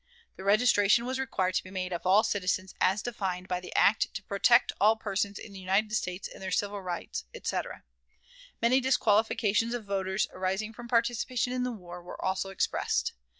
The registration was required to be made of all citizens as defined by the "act to protect all persons in the United States in their civil rights," etc. Many disqualifications of voters, arising from participation in the war, were also expressed.